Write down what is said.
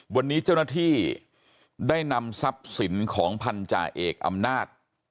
วันนี้เจ้าหน้าที่ได้นำทรัพย์สินของพันธาเอกอำนาจ